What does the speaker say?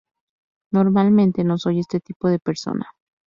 Normalmente no soy este tipo de persona.